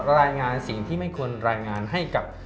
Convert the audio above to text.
รายงานสิ่งที่ไม่ควรรายงานให้กับ